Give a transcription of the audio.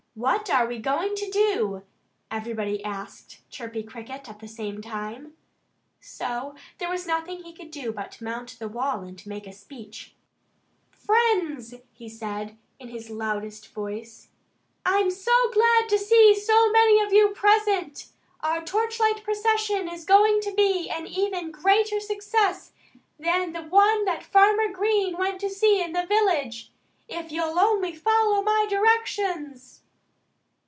"What are we going to do?" everybody asked Chirpy Cricket at the same time. So there was nothing he could do but mount the wall and make a speech. "Friends " he said, in his loudest voice "I'm glad to see so many of you present. Our torchlight procession is going to be an even greater success than the one that Farmer Green went to see in the village if you'll only follow my directions."